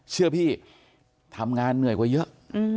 เชื่อพี่ทำงานเหนื่อยกว่าเยอะ